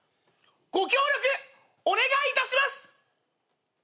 ご協力お願いいたします。